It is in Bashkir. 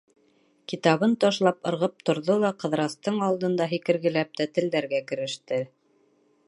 Китабын ташлап, ырғып торҙо ла Ҡыҙырастың алдында һикергеләп, тәтелдәргә кереште: